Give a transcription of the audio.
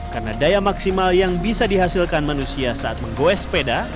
karena daya maksimal yang bisa dihasilkan manusia saat menggowes sepeda